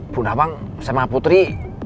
bu nawang sama putri